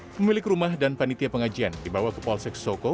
pemilik rumah dan panitia pengajian dibawa ke polsek soko